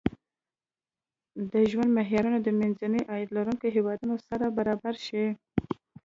د ژوند معیارونه د منځني عاید لرونکو هېوادونو سره برابر شي.